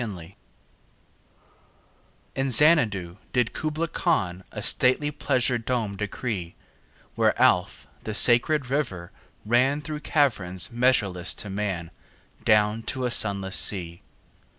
Kubla Khan IN Xanadu did Kubla Khan A stately pleasure dome decree: Where Alph, the sacred river, ran Through caverns measureless to man Down to a sunless sea.